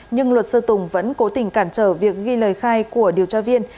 nhưng luật sư tùng vẫn cố tình cản trở việc ghi lời khai của điều tra viên